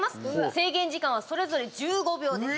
制限時間はそれぞれ１５秒です。